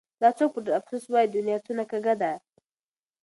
دا څوک په ډېر افسوس وايي : دنيا څونه کږه ده